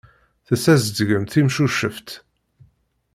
Tessazedgemt timcuceft.